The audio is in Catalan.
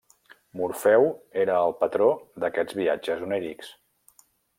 Morfeu era el patró d'aquests viatges onírics.